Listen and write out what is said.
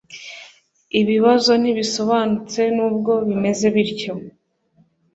ibibazo ntibisobanutse. nubwo bimeze bityo